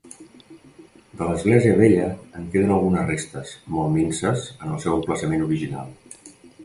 De l'església vella, en queden algunes restes, molt minses, en el seu emplaçament original.